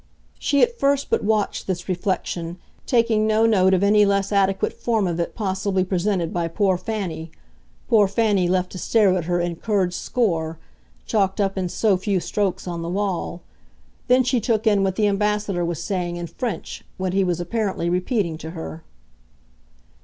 She at first but watched this reflection, taking no note of any less adequate form of it possibly presented by poor Fanny poor Fanny left to stare at her incurred "score," chalked up in so few strokes on the wall; then she took in what the Ambassador was saying, in French, what he was apparently repeating to her.